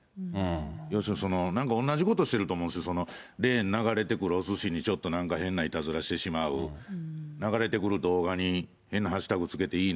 要するに、なんかおんなじことしてると思うんですよ、レーン流れてくるおすしにちょっとなんか変ないたずらしてしまう、流れてくる動画に、変なハッシュタグつけていいね